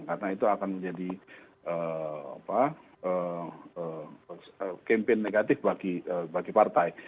karena itu akan menjadi kempen negatif bagi partai